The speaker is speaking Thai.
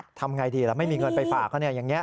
ทำอย่างไรดีล่ะไม่มีเงินไปฝากก็อย่างนี้